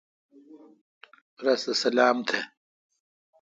رس تھ سلام تھ۔